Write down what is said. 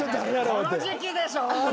この時期でしょ⁉って。